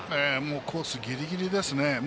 コースギリギリですね。